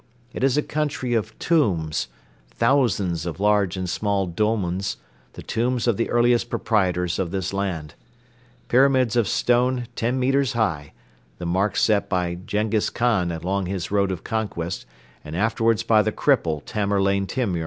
It is a country of tombs, thousands of large and small dolmens, the tombs of the earliest proprietors of this land: pyramids of stone ten metres high, the marks set by Jenghiz Khan along his road of conquest and afterwards by the cripple Tamerlane Temur.